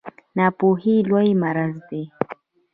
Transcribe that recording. ناپوهي لوی مرض دی